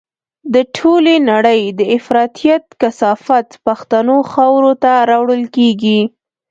د ټولې نړۍ د افراطيت کثافات پښتنو خاورو ته راوړل کېږي.